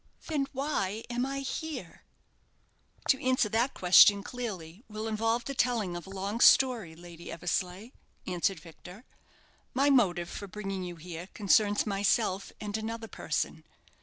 "Then why am I here?" "To answer that question clearly will involve the telling of a long story, Lady Eversleigh," answered Victor. "My motive for bringing you here concerns myself and another person.